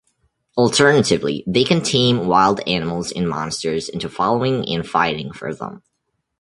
Alternatively, they can tame wild animals and monsters into following and fighting for them.